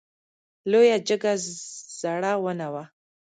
لویه جګه زړه ونه وه .